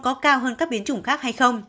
các biến chủng khác hay không